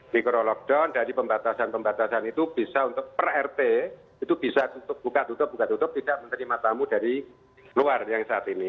mikro lockdown dari pembatasan pembatasan itu bisa untuk per rt itu bisa buka tutup buka tutup tidak menerima tamu dari luar yang saat ini